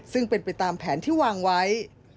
ซึ่งเป็นไปตามแผนที่วางไว้